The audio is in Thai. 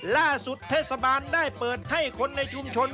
ล่าสุดเทศบาลได้เปิดให้คนในชุมชน